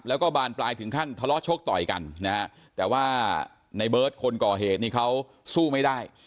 แล้วก็บานปลายถึงขั้นทะเลาะชกต่อยกันนะฮะแต่ว่าในเบิร์ตคนก่อเหตุนี้เขาสู้ไม่ได้